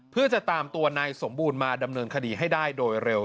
เพื่อจะตามตัวนายสมบูรณ์มาดำเนินคดีให้ได้โดยเร็ว